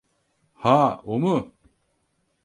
Ha, o mu?